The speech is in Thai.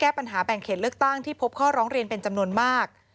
ปัญหาแบ่งเขตเลือกตั้งที่พบข้อร้องเรียนเป็นจำนวนมาก